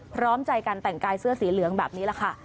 พร้อมใจกันแต่งกายเสื้อสีเหลืองแบบนี้แหละค่ะ